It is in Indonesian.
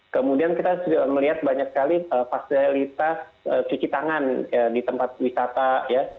kemudian kita sudah melihat banyak sekali fasilitas cuci tangan di tempat wisata ya